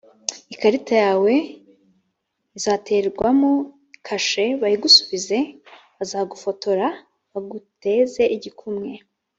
ikarita yawe ya i izaterwamo kashe bayigusubize. bazagufotora baguteze igikumwe